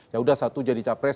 ya udah satu jadi capres